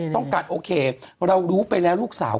คุณหนุ่มกัญชัยได้เล่าใหญ่ใจความไปสักส่วนใหญ่แล้ว